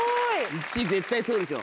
１位絶対そうでしょ。